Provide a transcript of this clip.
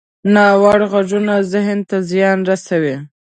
ناوړه غږونه ذهن ته زیان رسوي